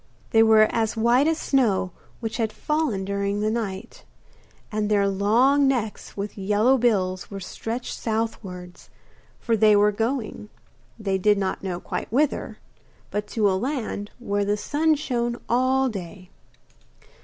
They were as white as snow which had fallen during the night, and their long necks with yellow bills were stretched southwards, for they were going they did not quite know whither but to a land where the sun shone all day.